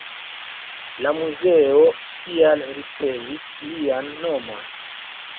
La muzeo tial ricevis lian nomon.